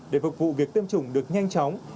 để phục vụ việc tiêm chủng được nhanh chóng